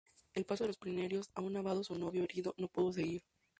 En el paso de los Pirineos, aún nevados, su novio, herido, no pudo seguir.